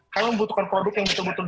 kami membutuhkan produk yang bisa dibutuhkan